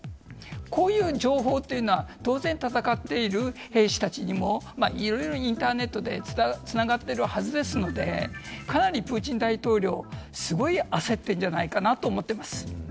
こういう情報というのは当然戦っている兵士たちにも、いろいろインターネットでつながっているはずですので、かなりプーチン大統領、すごい焦ってるんじゃないかなと思ってます。